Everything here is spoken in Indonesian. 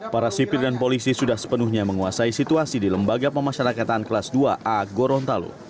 para sipir dan polisi sudah sepenuhnya menguasai situasi di lembaga pemasyarakatan kelas dua a gorontalo